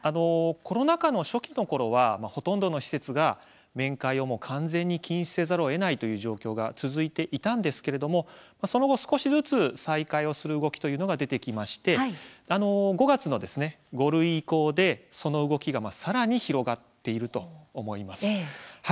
コロナ禍の初期のころはほとんどの施設が面会を完全に禁止せざるをえないという状況が続いていたんですがその後少しずつ再開をする動きが増えてきて５月の５類移行でその動きが、さらに広がっていると思います。